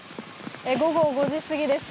午後５時過ぎです。